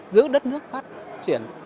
giữ đất nước phát triển